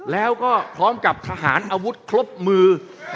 แล้วก็พร้อมกับทหารอาวุธครบมือ